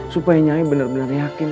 supaya nyanyi benar benar yakin